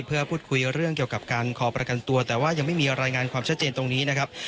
เพื่อพูดคุยเรื่องเกี่ยวกับการขอประกันตัวแต่ว่ายังไม่มีรายงานความชัดเจนตรงนี้นะครับ